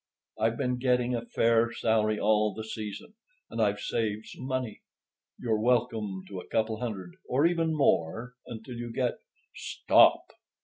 I've been getting a fair salary all the season, and I've saved some money. You're welcome to a couple hundred—or even more—until you get——" "Stop!"